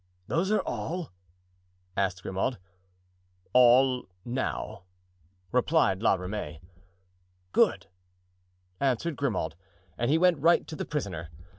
"Those are all?" asked Grimaud. "All now," replied La Ramee. "Good," answered Grimaud; and he went right to the prisoner.